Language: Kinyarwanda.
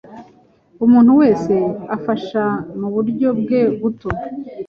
Umuntu wese afasha muburyo bwe buto